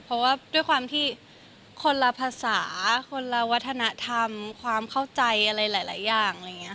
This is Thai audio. เพราะว่าด้วยความที่คนละภาษาคนละวัฒนธรรมความเข้าใจอะไรหลายอย่างอะไรอย่างนี้ค่ะ